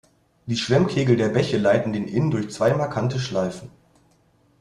Die Schwemmkegel der Bäche leiten den Inn durch zwei markante Schleifen.